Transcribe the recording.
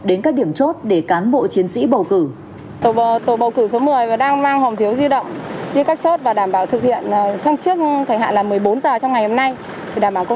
đến các điểm chốt để cán bộ chiến sĩ bầu cử